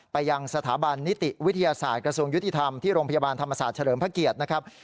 ไปยังสถาบันนิติวิทยาศาสตร์กระทรวงยุติธรรมที่โรงพยาบาลธรรมศาสตร์เฉลิมพระเกียรตินะครับ